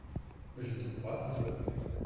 Je te crois, parbleu !